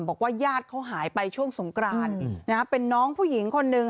บอกว่าญาติเขาหายไปช่วงสงกรานเป็นน้องผู้หญิงคนหนึ่ง